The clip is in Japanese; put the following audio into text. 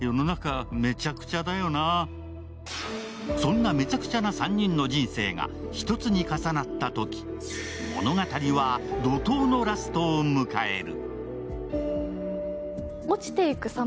そんなめちゃくちゃな３人の人生が一つに重なったとき、物語は怒とうのラストを迎える。